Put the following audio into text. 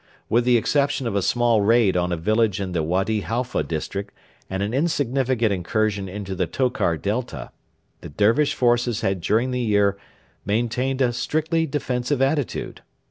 With the exception of a small raid on a village in the Wady Halfa district and an insignificant incursion into the Tokar Delta the Dervish forces had during the year maintained 'a strictly defensive attitude.'